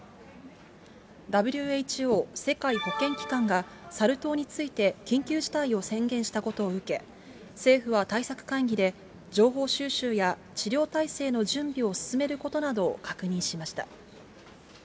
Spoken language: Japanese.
ＷＨＯ・世界保健機関がサル痘について緊急事態を宣言したことを受け、政府は対策会議で、情報収集や治療体制の準備を進めることなどを確認しました。